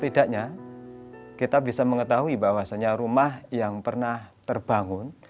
tidaknya kita bisa mengetahui bahwasannya rumah yang pernah terbangun